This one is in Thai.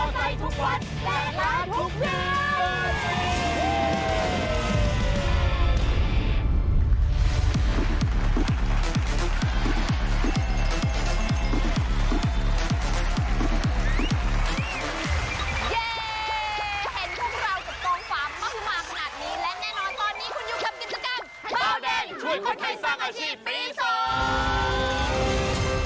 และมอเตอร์ไซค์ทุกวันและล้านทุกเดือน